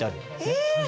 え！